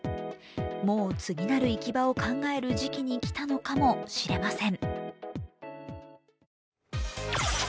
もう次なる行き場を考える時期に来たのかもしれません。